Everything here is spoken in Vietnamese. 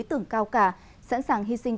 ủng hộ chủ tịch hồ chí minh